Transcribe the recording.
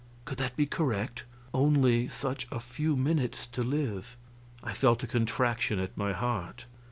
Could that be correct? Only such a few minutes to live! I felt a contraction at my heart.